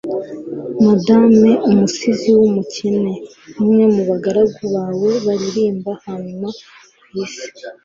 madame, umusizi w'umukene, umwe mu bagaragu bawe baririmba nyamara ku isi